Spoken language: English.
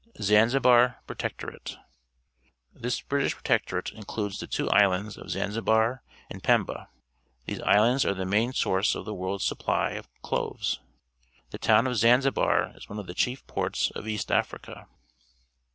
Zanzibar Protectorate. — This British pro tectorate includes the two islands of Zanzibar and Pemba. These islands are the main source of the world's supply of cloves. The towTi of Zanzibar is one of the cliief ports of East Africa.